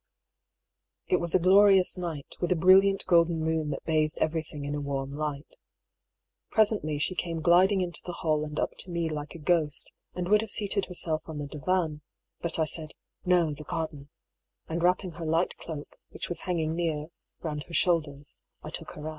It was a glorious night, with a brilliant golden moon EXTRACT FROM DIARY OF DR. HUGH PAULL. 261 that bathed everything in a warm light Presently she came gliding into the hall and up to me like a ghost, and would have seated herself on the divan, but I said, " No, the garden," and wrapping her light cloak, which was hanging near, round her shoulders, I took her out.